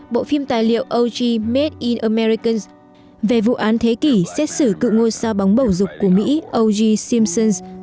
bộ phim tài liệu og made in omerican về vụ án thế kỷ xét xử cựu ngôi sao bóng bầu dục của mỹ og simson